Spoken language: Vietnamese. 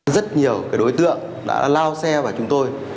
rất nhiều đối tượng đã lao xe vào chúng tôi